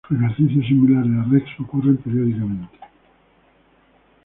Ejercicios similares a Rex ocurren periódicamente.